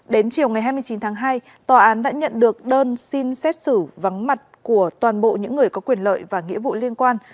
đến chiều ngày hai mươi chín tháng hai tòa án đã nhận được đơn xin xét xử vắng mặt của toàn bộ những người có quyền lợi và nghĩa vụ liên quan